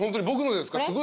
僕のですか？